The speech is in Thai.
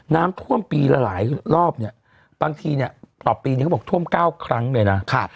น้ำท่วมปีละหลายรอบเนี่ยบางทีเนี่ยต่อปีนี้เขาบอกท่วม๙ครั้งเลยนะ